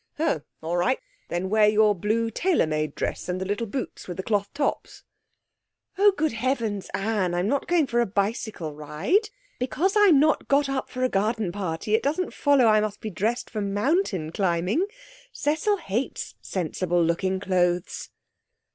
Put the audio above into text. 'Oh! all right. Then wear your blue tailor made dress and the little boots with the cloth tops.' 'Oh, good heavens, Anne! I'm not going for a bicycle ride. Because I'm not got up for a garden party, it doesn't follow I must be dressed for mountain climbing. Cecil hates sensible looking clothes.'